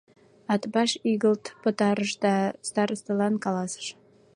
Атбаш игылт пытарыш да старостылан каласыш: